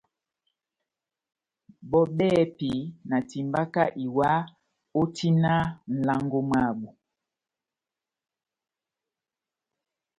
Bɔ́ bɛ́hɛ́pi na timbaka iwa ó tina nʼlango mwábu.